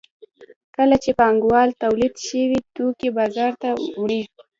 کله چې پانګوال تولید شوي توکي بازار ته وړي